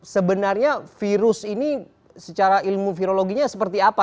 sebenarnya virus ini secara ilmu virologinya seperti apa